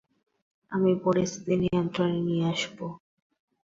আমি পরিস্থিতি নিয়ন্ত্রণে নিয়ে আসবো।